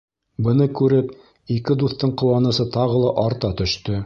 Быны күреп, ике дуҫтың ҡыуанысы тағы ла арта төштө.